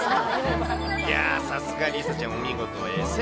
いやー、さすが梨紗ちゃん、お見事です。